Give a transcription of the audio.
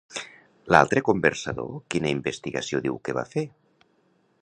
L'altre conversador quina investigació diu que va fer?